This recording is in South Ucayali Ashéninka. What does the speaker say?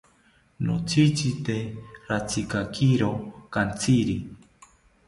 Notzitzite ratzikakiro kantziri